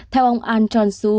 theo ông ahn